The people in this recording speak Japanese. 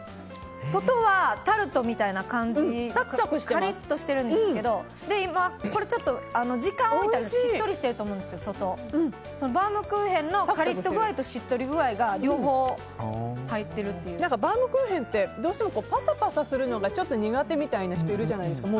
外はタルトみたいな感じでカリッとしているんですがこれ時間を置いたから、外がしっとりしてると思うんですけどバウムクーヘンのカリッと具合としっとり具合がバウムクーヘンってどうしてもパサパサするのが苦手みたいな人いるじゃないですか。